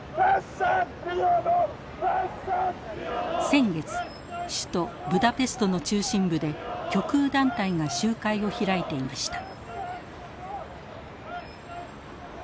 先月首都ブダペストの中心部で極右団体が集会を開いていました。